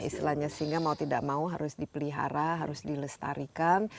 istilahnya sehingga mau tidak mau harus dipelihara harus dilestarikan